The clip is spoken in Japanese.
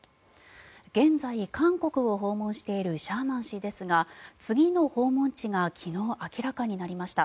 現在、韓国を訪問しているシャーマン氏ですが次の訪問地が昨日、明らかになりました。